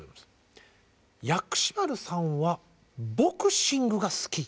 「薬師丸さんはボクシングが好き」。